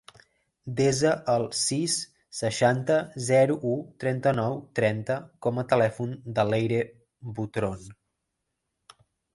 Desa el sis, seixanta, zero, u, trenta-nou, trenta com a telèfon de l'Eire Butron.